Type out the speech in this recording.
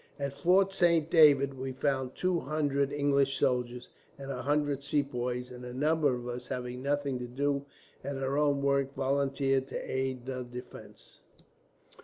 "At Fort Saint David we found two hundred English soldiers, and a hundred Sepoys, and a number of us, having nothing to do at our own work, volunteered to aid in the defence.